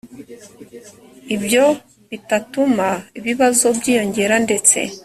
ibyo bitatuma ibibazo byiyongera ndetse